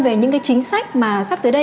về những cái chính sách mà sắp tới đây